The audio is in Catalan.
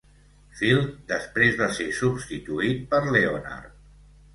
Field, després va ser substituït per Leonard.